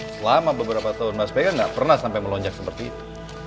selama beberapa tahun mas b kan gak pernah sampai melonjak seperti itu